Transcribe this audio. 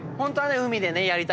海でやりたい。